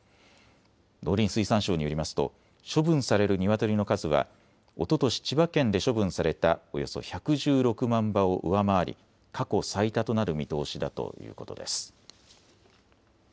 農林水産省によりますと処分されるニワトリの数はおととし千葉県で処分されたおよそ１１６万羽を上回り過去最多となる見通しだということです。